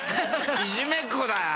いじめっ子だよ